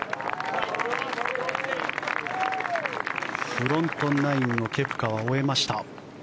フロントナインをケプカは終えました。